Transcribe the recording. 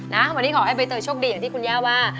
ขอให้ใบเตยโชคดีอย่างที่คุณย่าว่า